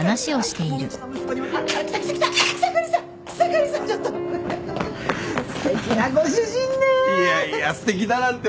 いやいやすてきだなんてもう。